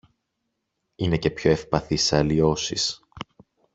είναι και πιο ευπαθή σε αλλοιώσεις